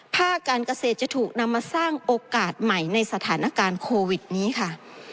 ภาคการเกษตรจะถูกนำมาสร้างโอกาสใหม่ในสถานการณ์โควิดนี้ค่ะ